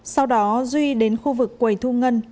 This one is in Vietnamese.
sau đó duy đến khu vực quầy thu ngân